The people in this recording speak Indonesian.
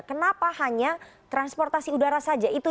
kenapa hanya transportasi udara saja ya pak